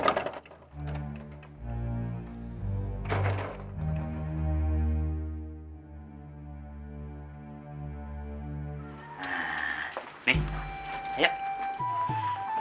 bang kok pakai kursi roda segala